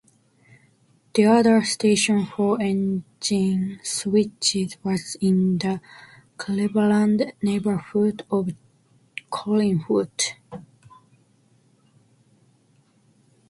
The other station for engine switches was in the Cleveland neighborhood of Collinwood.